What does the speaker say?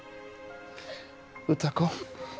歌子。